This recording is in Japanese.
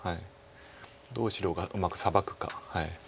どう白がうまくサバくか。